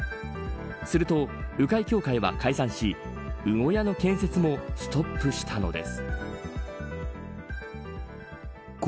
すると、鵜飼協会は解散しウ小屋の建設もストップしたのです。